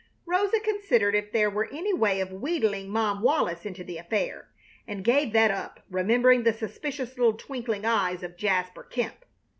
Rosa considered if there were any way of wheedling Mom Wallis into the affair, and gave that up, remembering the suspicious little twinkling eyes of Jasper Kemp.